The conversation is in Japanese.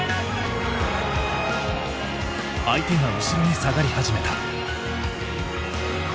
相手が後ろに下がり始めた。